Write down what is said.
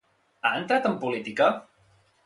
Ha entrat en política?